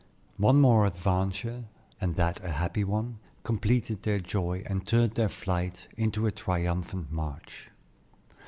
One more adventure, and that a happy one, completed their joy, and turned their flight into a triumphant march.